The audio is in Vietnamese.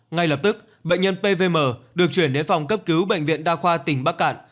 ngay lập tức bệnh nhân pvm được chuyển đến phòng cấp cứu bệnh viện đa khoa tỉnh bắc cạn